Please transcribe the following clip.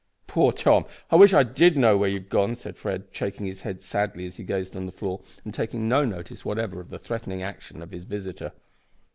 "Poor Tom! I wish I did know where you have gone!" said Fred, shaking his head sadly as he gazed on the floor, and taking no notice whatever of the threatening action of his visitor.